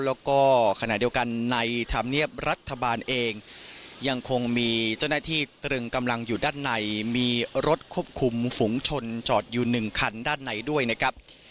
แล้วก็ขณะเดียวกันในธรรมเนียบรัฐบาลเองยังคงมีเจ้าหน้าที่ตรึงกำลังอยู่ด้านในมีรถควบคุมฝุงชนจอดอยู่หนึ่งคันด้านในด้วยนะครับ